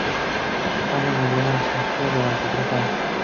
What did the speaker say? Cannon huyó al extranjero durante tres años.